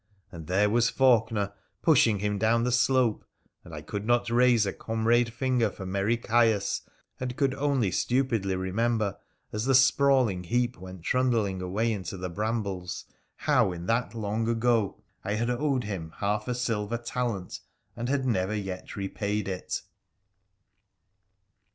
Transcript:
— and there was Faulkener pushing him down the slope, and I could not raise a comrade finger for merry Caius, and could only stttpidly remember, as the sprawl ing heap went trundling away into the brambles, how, in that long ago, I had owed him half a silver talent and had never yet repaid it